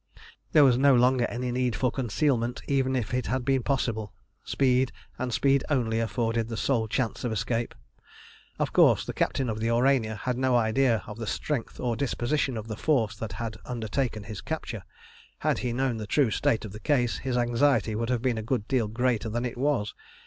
There was no longer any need for concealment even if it had been possible. Speed and speed only afforded the sole chance of escape. Of course the captain of the Aurania had no idea of the strength or disposition of the force that had undertaken his capture. Had he known the true state of the case, his anxiety would have been a good deal greater than it was.